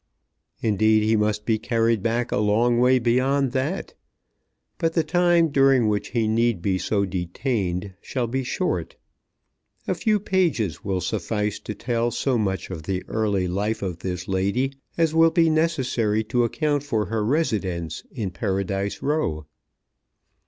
Indeed, he must be carried back a long way beyond that; but the time during which he need be so detained shall be short. A few pages will suffice to tell so much of the early life of this lady as will be necessary to account for her residence in Paradise Row.